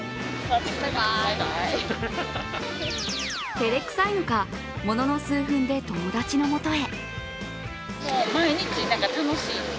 照れくさいのか、ものの数分で友達のもとへ。